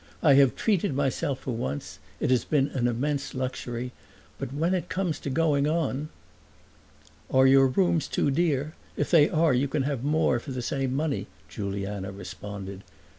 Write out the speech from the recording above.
I have treated myself for once; it has been an immense luxury. But when it comes to going on !" "Are your rooms too dear? If they are you can have more for the same money," Juliana responded.